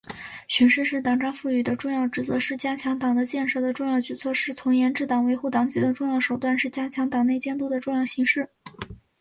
巡视是党章赋予的重要职责，是加强党的建设的重要举措，是从严治党、维护党纪的重要手段，是加强党内监督的重要形式。